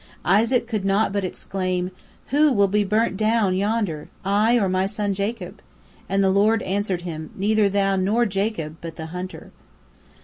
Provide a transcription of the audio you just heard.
Isaac could not but exclaim, "Who will be burnt down yonder, I or my son Jacob?" and the Lord answered him, "Neither thou nor Jacob, but the hunter."